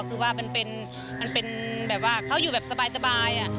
คือว่ามันเป็นแบบว่าเขาอยู่แบบสบาย